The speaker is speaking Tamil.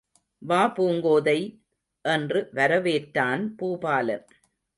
வா பூங்கோதை! என்று வரவேற்றான் பூபாலன்.